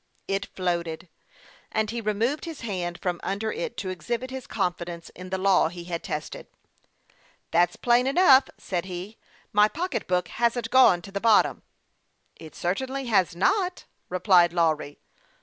It floated, and he removed his hand from under it to exhibit his confidence in the law he had tested. " That's plain enough," said he. " My pocket book hasn't gone to the bottom." " It certainly has not," replied Lawry.